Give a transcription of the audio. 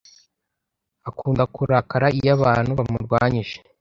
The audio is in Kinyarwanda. Akunda kurakara iyo abantu bamurwanyije.